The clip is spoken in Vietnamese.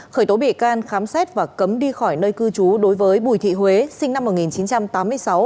khởi tố bị can khám xét và cấm đi khỏi nơi cư trú đối với bùi thị huế sinh năm một nghìn chín trăm tám mươi sáu